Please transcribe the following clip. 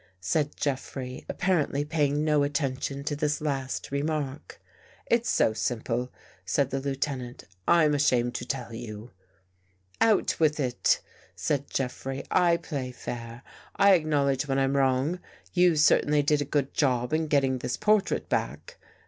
said Jeffrey, appar ently paying no attention to this last remark. " It's so simple," said the Lieutenant, " I'm ashamed to tell you." "Out with it!" said Jeffrey. "I play fair. I acknowledge when I'm wrong. You certainly did a good job in getting this portrait back.